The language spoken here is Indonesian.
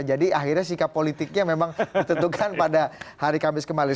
jadi akhirnya sikap politiknya memang ditentukan pada hari kamis kemarin